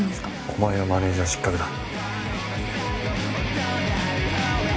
お前はマネージャー失格だ。